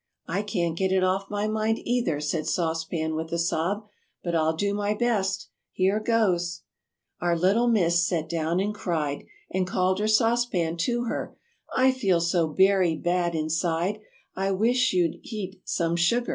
"I can't get it off my mind, either," said Sauce Pan, with a sob, "but I'll do my best. Here goes: "Our little Miss sat down and cried, And called her Sauce Pan to her, 'I feel so berry bad inside, I wish you'd (h)eat some sugar.'"